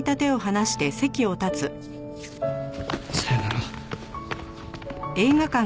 さよなら。